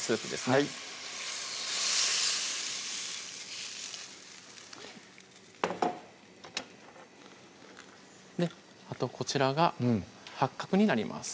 はいあとこちらが八角になります